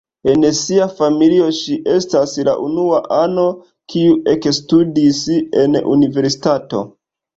En sia familio ŝi estas la unua ano, kiu ekstudis en universitato.